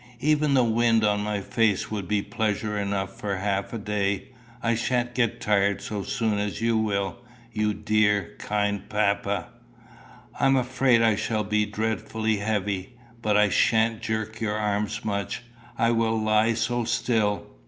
"Even the wind on my face would be pleasure enough for half a day. I sha'n't get tired so soon as you will you dear, kind papa! I am afraid I shall be dreadfully heavy. But I sha'n't jerk your arms much. I will lie so still!"